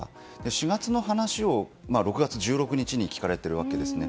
４月の話を６月１６日に聞かれているわけですね。